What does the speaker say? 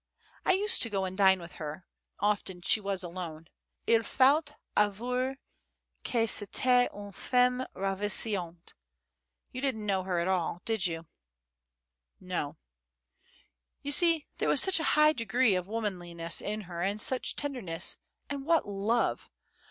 I used to go and dine with her; often she was alone. Il faut avouer que c'etait une femme ravissante! You didn't know her at all, did you?" "No." "You see, there was such high degree of womanliness in her, and such tenderness, and what love!